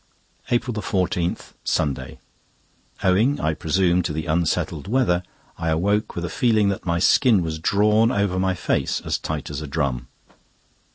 APRIL 14, Sunday.—Owing, I presume, to the unsettled weather, I awoke with a feeling that my skin was drawn over my face as tight as a drum.